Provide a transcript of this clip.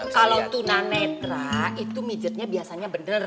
kalau tuna netra itu mijetnya biasanya bener